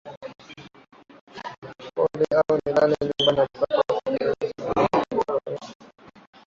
poli au nilale nyumbani napata usingizi wangu mzuri kabisa alisema LissuIli mradi nipate